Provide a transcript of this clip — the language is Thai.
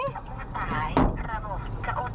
รอบรถยังรอบรถยัง